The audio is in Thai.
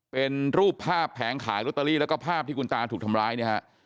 เป็นรูปภาพแผงขายลอตเตอรี่แล้วก็ภาพที่คุณตาถูกทำร้ายเนี่ยฮะ